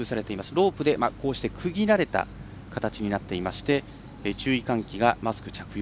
ロープで区切られた形になっていまして注意喚起が、マスク着用